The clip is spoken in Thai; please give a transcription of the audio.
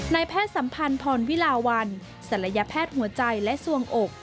นายแพทย์สัมพันธ์พรวิลาวันศัลยแพทย์หัวใจและส่วงอก